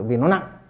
vì nó nặng